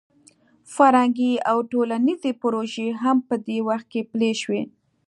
فرهنګي او ټولنیزې پروژې هم په دې وخت کې پلې شوې.